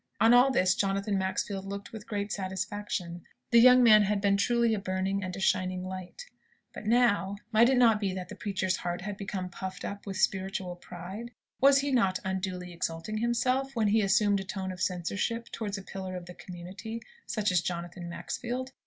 On all this Jonathan Maxfield looked with great satisfaction. The young man had been truly a burning and a shining light. But now might it not be that the preacher's heart had become puffed up with spiritual pride? Was he not unduly exalting himself, when he assumed a tone of censorship towards such a pillar of the community as Jonathan Maxfield?